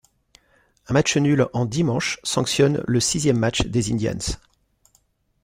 Un match nul en dix manches sanctionne le sixième match des Indians.